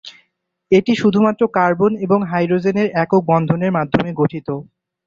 এটি শুধু মাত্র কার্বন এবং হাইড্রোজেন এর একক বন্ধনের মাধ্যমে গঠিত।